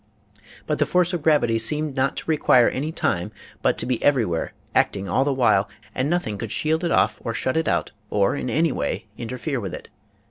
But the force of gravity seemed not to require any time but to be every where, acting all the while, and nothing could shield it off or shut it out or in any way interfere with it.